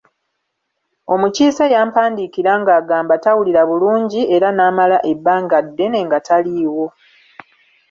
Omukiise yampandiikira ng’agamba tawulira bulungi era n'amala ebbanga ddene nga taliiwo.